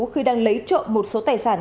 khi đang lấy trộn một số tài sản